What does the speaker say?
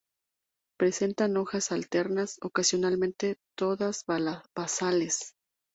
Presentan hojas alternas, ocasionalmente todas basales.